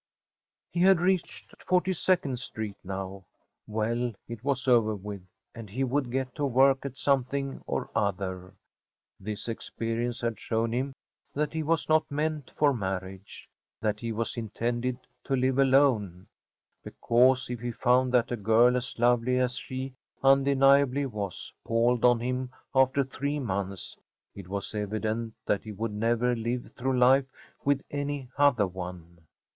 He had reached Forty second Street now. Well, it was over with, and he would get to work at something or other. This experience had shown him that he was not meant for marriage; that he was intended to live alone. Because, if he found that a girl as lovely as she undeniably was palled on him after three months, it was evident that he would never live through life with any other one.